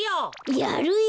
やるよ。